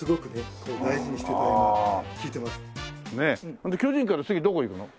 ほんで巨人から次どこ行くの？